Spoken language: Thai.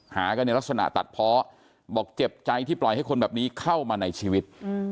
หากันในลักษณะตัดเพาะบอกเจ็บใจที่ปล่อยให้คนแบบนี้เข้ามาในชีวิต